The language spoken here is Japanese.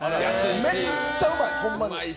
むっちゃうまい、ホンマに。